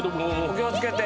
お気をつけて。